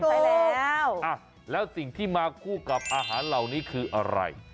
ไปแล้วแล้วสิ่งที่มาคู่กับอาหารเหล่านี้คืออะไร